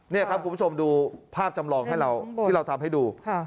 นี่ครับคุณผู้ชมดูภาพจำลองให้เราที่เราทำให้ดู